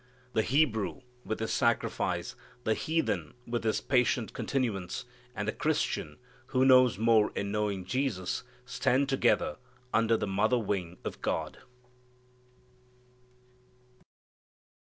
The Hebrew with his sacrifice, the heathen with his patient continuance, and the Christian who knows more in knowing Jesus, stand together under the mother wing of God.